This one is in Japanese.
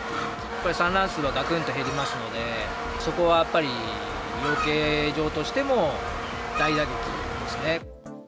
これ、産卵数ががくんと減りますので、そこはやっぱり、養鶏場としても大打撃ですね。